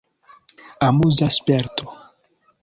Amuza sperto.